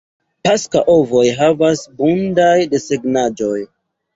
Paska ovoj havas buntaj desegnaĵoj.